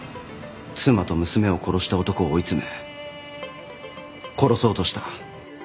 妻と娘を殺した男を追い詰め殺そうとした。